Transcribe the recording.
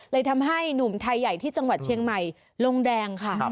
เลยทำให้หนุ่มไทยใหญ่ที่จังหวัดเชียงใหม่ลงแดงค่ะ